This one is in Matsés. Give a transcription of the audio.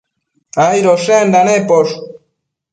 Aidoshenda neposh